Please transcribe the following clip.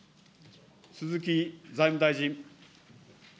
鈴木財務大臣。